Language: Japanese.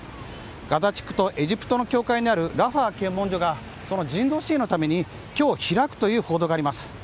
ガザ地区とエジプトの境界にあるラファ検問所が人道支援のために今日開くという報道があります。